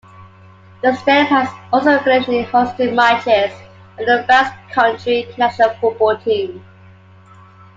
The stadium has also occasionally hosted matches of the Basque Country national football team.